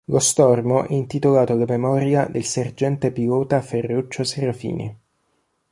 Lo stormo è intitolato alla memoria del sergente pilota Ferruccio Serafini.